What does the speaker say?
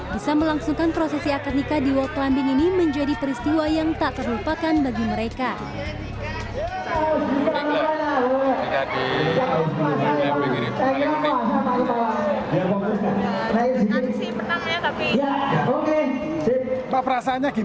bisa melangsungkan prosesi akad nikah di walk clumbing ini menjadi peristiwa yang tak terlupakan bagi mereka